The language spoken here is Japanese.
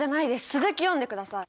続き読んでください！